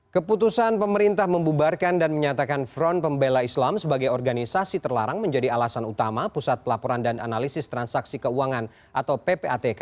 keputusan pemerintah membubarkan dan menyatakan front pembela islam sebagai organisasi terlarang menjadi alasan utama pusat pelaporan dan analisis transaksi keuangan atau ppatk